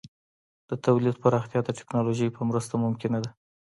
د تولیداتو پراختیا د ټکنالوژۍ په مرسته ممکنه ده.